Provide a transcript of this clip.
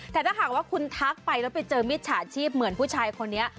แต่ถ้าหากว่าคุณทักไปแล้วไปเจอมิจฉาชีพเหมือนผู้ชายคนนี้